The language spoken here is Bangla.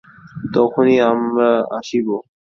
তখনি আমরা আসিব।